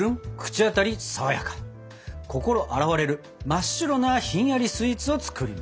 心洗われる真っ白なひんやりスイーツを作ります！